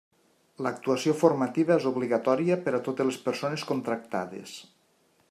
L'actuació formativa és obligatòria per a totes les persones contractades.